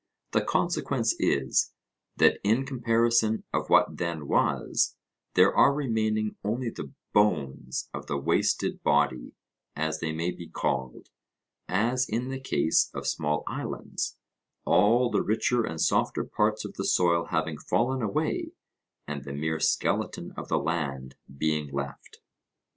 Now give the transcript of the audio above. The consequence is, that in comparison of what then was, there are remaining only the bones of the wasted body, as they may be called, as in the case of small islands, all the richer and softer parts of the soil having fallen away, and the mere skeleton of the land being left.